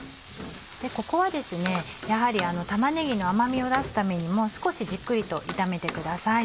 ここはやはり玉ねぎの甘みを出すためにも少しじっくりと炒めてください。